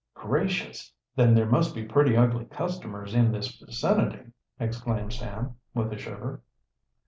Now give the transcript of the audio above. "Gracious! Then there must be pretty ugly customers in this vicinity," exclaimed Sam, with a shiver.